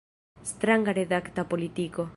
Stranga redakta politiko!